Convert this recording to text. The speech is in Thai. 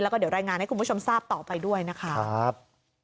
แล้วก็เดี๋ยวรายงานให้คุณผู้ชมทราบต่อไปด้วยนะคะ